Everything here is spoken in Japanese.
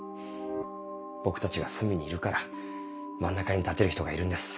僕たちが隅にいるから真ん中に立てる人がいるんです。